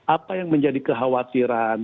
apa yang menjadi kekhawatiran